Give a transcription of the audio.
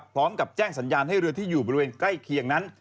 พร้อมกับแจ้งสัญญาณให้เรือที่อยู่บริเวณใกล้เคียงนั้น